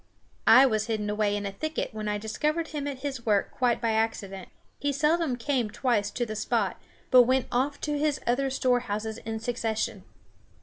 I was hidden away in a thicket when I discovered him at his work quite by accident. He seldom came twice to the same spot, but went off to his other storehouses in succession.